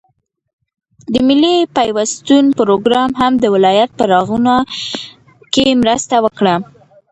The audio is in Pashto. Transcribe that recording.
د ملي پيوستون پروگرام هم د ولايت په رغاونه كې مرسته وكړه،